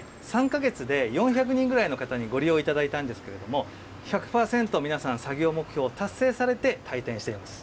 ３か月で４００人ぐらいの方にご利用いただいたんですけれども、１００％、皆さん作業目標を達成されて、退店されています。